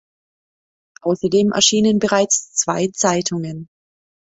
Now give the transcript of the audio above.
Außerdem erschienen bereits zwei Zeitungen.